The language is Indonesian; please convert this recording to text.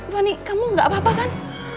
fani kamu gak apa apa kan